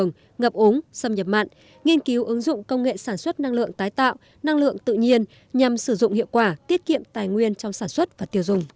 ngập ống xâm nhập mặn nghiên cứu ứng dụng công nghệ sản xuất năng lượng tái tạo năng lượng tự nhiên nhằm sử dụng hiệu quả tiết kiệm tài nguyên trong sản xuất và tiêu dùng